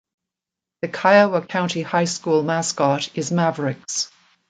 The Kiowa County High School mascot is Mavericks.